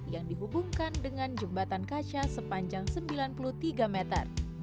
yang dihubungkan dengan jembatan kaca sepanjang sembilan puluh tiga meter